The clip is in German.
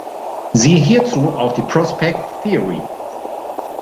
Siehe hierzu auch die Prospect Theory.